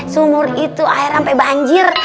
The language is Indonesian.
sumur itu air sampai banjir